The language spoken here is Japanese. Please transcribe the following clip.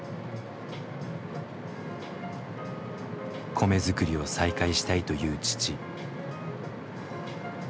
米作りを再開したいという父。